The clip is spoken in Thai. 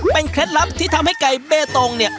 เป็นเคล็ดลับที่ทำให้ไก่เบตงเนี่ย